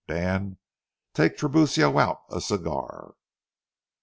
Dan, take Tiburcio out a cigar."